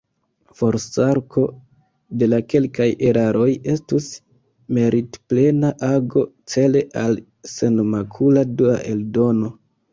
Forsarko de la kelkaj eraroj estus meritplena ago, cele al senmakula dua eldono.